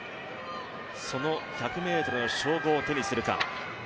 その１００ｍの称号を手にするか。